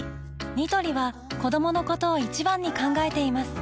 ニトリは子どものことを一番に考えています